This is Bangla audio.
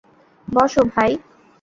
বসো, ভাই।